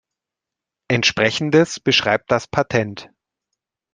Entsprechendes beschreibt das Patent.